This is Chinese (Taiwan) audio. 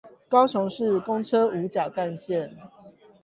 高雄市公車五甲幹線